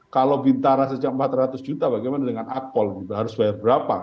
kalau bintara sejak empat ratus juta bagaimana dengan akpol harus bayar berapa